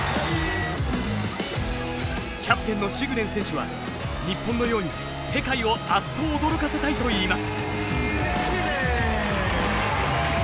キャプテンのシグレン選手は日本のように世界をアッと驚かせたいと言います。